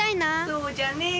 そうじゃねえ。